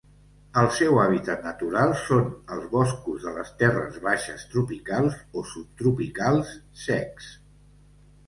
El seu hàbitat natural són els boscos de les terres baixes tropicals o subtropicals secs.